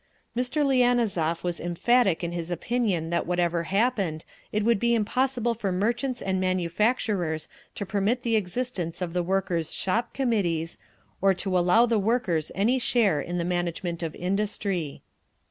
Mr. Lianozov was emphatic in his opinion that whatever happened, it would be impossible for merchants and manufacturers to permit the existence of the workers' Shop Committees, or to allow the workers any share in the management of industry.